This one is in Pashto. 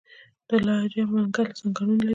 د لجه منګل ځنګلونه لري